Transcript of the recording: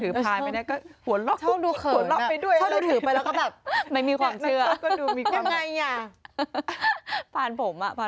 ถือบรรดีลูบโกบ